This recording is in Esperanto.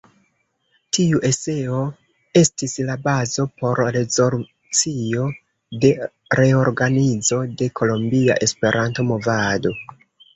Tiu eseo estis la bazo por rezolucio de reorganizo de la Kolombia Esperanto-Movado.